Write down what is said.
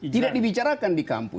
tidak dibicarakan di kampus